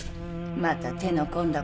また手の込んだことを